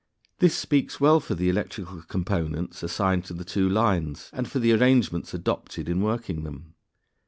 This speaks well for the electrical components assigned to the two lines, and for the arrangements adopted in working them.